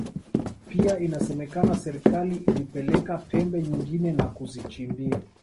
Pia inasemekana serikali ilipeleka pembe nyingine na kuzichimbia